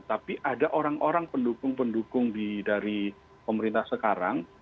tapi ada orang orang pendukung pendukung dari pemerintah sekarang